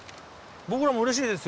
僕らもうれしいですよ。